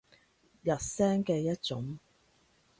入聲嘅一種